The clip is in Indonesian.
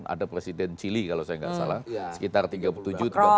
ada presiden chile kalau saya nggak salah sekitar tiga puluh tujuh tiga puluh